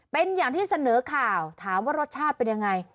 เป็นอย่างที่เสนอข่าวถามว่ารสชาติเป็นยังไง